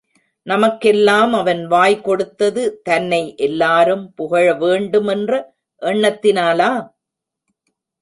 நமக்கெல்லாம் அவன் வாய் கொடுத்தது தன்னை எல்லாரும் புகழ வேண்டுமென்ற எண்ணத்தினாலா?